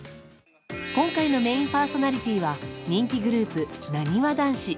今回のメインパーソナリティーは人気グループなにわ男子。